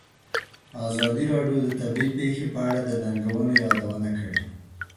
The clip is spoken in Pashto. ازادي راډیو د طبیعي پېښې په اړه د ننګونو یادونه کړې.